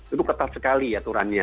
itu ketat sekali aturannya